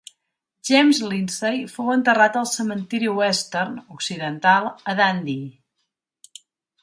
James Lindsay fou enterrat al cementiri Western (occidental), a Dundee.